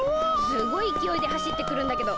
すごいいきおいではしってくるんだけど。